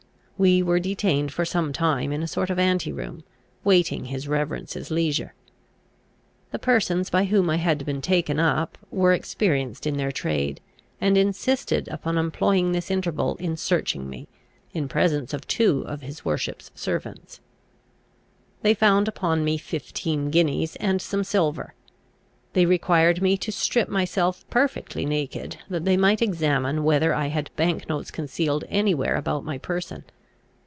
We were detained for some time in a sort of anti room, waiting his reverence's leisure. The persons by whom I had been taken up were experienced in their trade, and insisted upon employing this interval in searching me, in presence of two of his worship's servants. They found upon me fifteen guineas and some silver. They required me to strip myself perfectly naked, that they might examine whether I had bank notes concealed any where about my person.